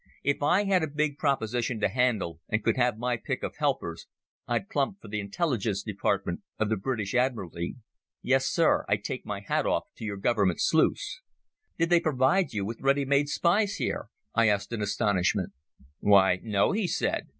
If I had a big proposition to handle and could have my pick of helpers I'd plump for the Intelligence Department of the British Admiralty. Yes, Sir, I take off my hat to your Government sleuths." "Did they provide you with ready made spies here?" I asked in astonishment. "Why, no," he said.